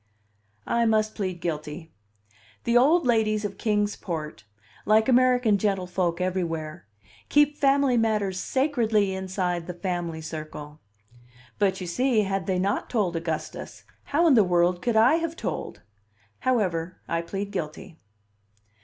I must plead guilty. The old ladies of Kings Port, like American gentlefolk everywhere, keep family matters sacredly inside the family circle. But you see, had they not told Augustus, how in the world could I have told however, I plead guilty.